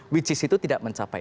which is itu tidak mencapai